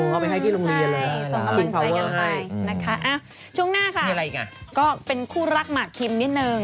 เอาไปให้ที่โรงเรียนเลยส่งกำลังใจกันไปนะคะช่วงหน้าค่ะก็เป็นคู่รักหมากคิมนิดนึง